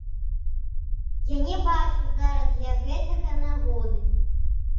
Я не бачу зараз для гэтага нагоды.